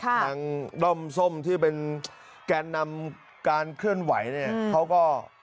ทางด้อมส้มที่เป็นแก่นำการเคลื่อนไหวเขาก็